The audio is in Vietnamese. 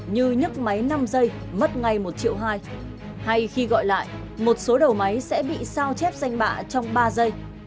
như nhức máy năm giây mất ngay một triệu hai hay khi gọi lại một số đầu máy sẽ bị sao chép danh bạ trong ba giây